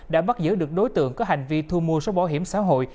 đã bắt giữ được đối tượng có hành vi thu mua số bảo hiểm xã hội